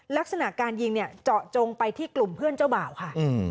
ลักษณะการยิงเนี่ยเจาะจงไปที่กลุ่มเพื่อนเจ้าบ่าวค่ะ